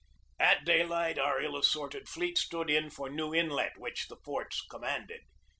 At daylight our ill assorted fleet stood in for New Inlet, which the forts commanded.